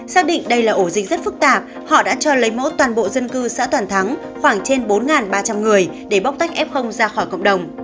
xác định đây là ổ dịch rất phức tạp họ đã cho lấy mẫu toàn bộ dân cư xã toàn thắng khoảng trên bốn ba trăm linh người để bóc tách f ra khỏi cộng đồng